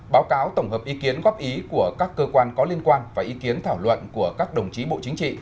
báo cáo tổng hợp ý kiến góp ý của các cơ quan có liên quan và ý kiến thảo luận của các đồng chí bộ chính trị